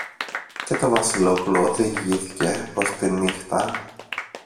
Και το Βασιλόπουλο διηγήθηκε πως τη νύχτα